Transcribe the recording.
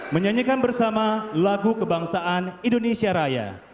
menyanyikan bersama lagu kebangsaan indonesia raya